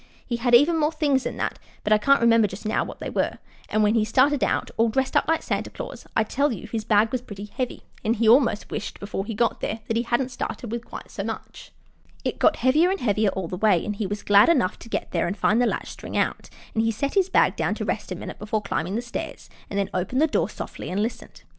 He had even more things than that, but I can't remember just now what they were; and when he started out, all dressed up like Santa Claus, I tell you his bag was pretty heavy, and he almost wished before he got there that he hadn't started with quite so much. [Illustration: IT GOT HEAVIER AND HEAVIER.] [Illustration: HE ALMOST HAD TO LAUGH RIGHT OUT LOUD.] It got heavier and heavier all the way, and he was glad enough to get there and find the latch string out. He set his bag down to rest a minute before climbing the stairs, and then opened the doors softly and listened.